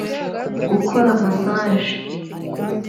Gukora massage